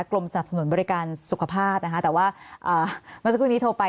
กรมสนับสนุนบริการสุขภาพนะคะแต่ว่าเมื่อสักครู่นี้โทรไป